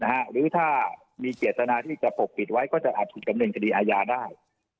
หรือถ้ามีเกียรตนาที่จะปกปิดไว้ก็จะอัดถุงกำเนินสิ่งอายะได้